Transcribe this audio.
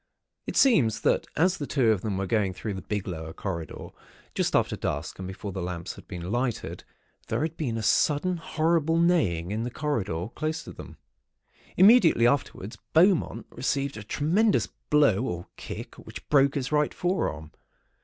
It seems that as the two of them were going through the big lower corridor, just after dusk and before the lamps had been lighted, there had been a sudden, horrible neighing in the corridor, close to them. Immediately afterwards, Beaumont received a tremendous blow or kick, which broke his right forearm.